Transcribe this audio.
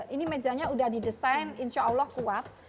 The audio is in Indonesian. ini mejanya sudah didesain insya allah kuat